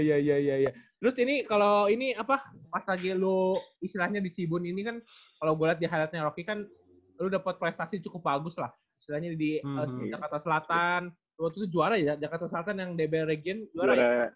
iya iya iya iya terus ini kalo ini apa pas lagi lo istilahnya di cibun ini kan kalo gue liat di highlightnya rocky kan lo dapet prestasi cukup bagus lah istilahnya di jakarta selatan lo tuh juara ya jakarta selatan yang db regen juara ya